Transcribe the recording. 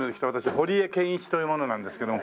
堀江謙一という者なんですけども。